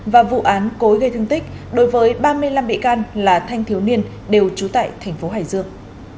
và vụ án cối gây thương tích đối với ba mươi năm bị can là thanh thiếu niên đều trú tại thành phố hải dương